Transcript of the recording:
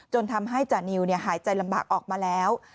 ทำให้จานิวหายใจลำบากออกมาแล้ว